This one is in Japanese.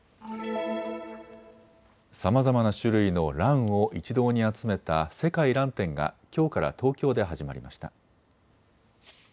さまざまな種類のらんを一堂に集めた世界らん展がきょうから東京で始まりました。